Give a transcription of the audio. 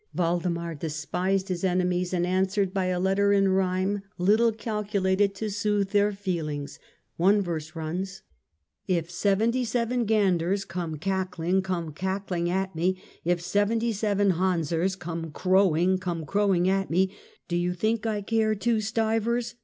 Waldemar despised his enemies and answered by a letter in rhyme little cal culated to sooth their feelings; one verse runs: — If seventy seven ganders Come cackling, come cackling at me ; If seventy seven Hansers Come crowing, come crowing at me ; Do you think I care two stivers